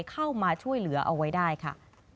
เข้ามาช่วยเหลือเอาไว้ได้ค่ะ